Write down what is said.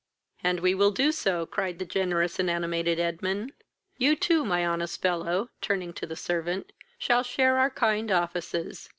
"And we will do so! (cried the generous and animated Edwin.) You too, my honest fellow, (turning to the servant,) shall share in our kind offices.